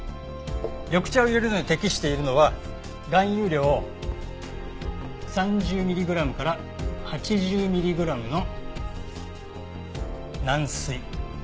緑茶を淹れるのに適しているのは含有量３０ミリグラムから８０ミリグラムの軟水。